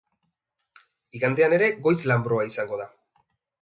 Igandean ere goiz-lanbroa izango da.